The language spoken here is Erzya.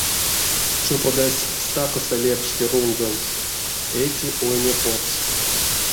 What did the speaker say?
Чоподась стакасто лепшти рунгонть, эци ойме потс.